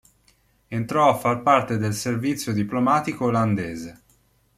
Entrò a far parte del servizio diplomatico olandese.